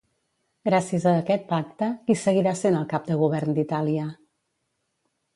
Gràcies a aquest pacte, qui seguirà sent el cap de govern d'Itàlia?